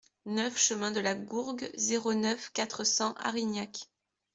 neuf chemin de la Gourgue, zéro neuf, quatre cents Arignac